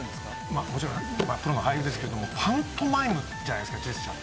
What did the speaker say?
まあもちろんプロの俳優ですけどもパントマイムじゃないですかジェスチャー。